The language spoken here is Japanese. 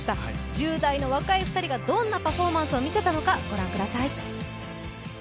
１０代の若い２人がどんなパフォーマンスを見せたのか、ご覧ください。